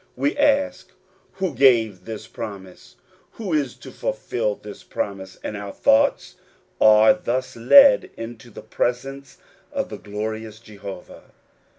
We ask, Who gave this promise? Who is to fulfil this promise ?" and our thoughts are thus led into the presence of the glorious Jehovah.